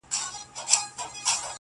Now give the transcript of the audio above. هنر خاموش زر پرستي وه پکښې,